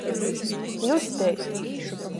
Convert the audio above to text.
Ļusteit.